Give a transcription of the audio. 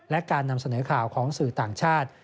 และการนำเสนอข่าวของสื่อต่างชาติ